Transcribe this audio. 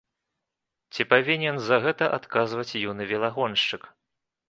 Ці павінен за гэта адказваць юны велагоншчык?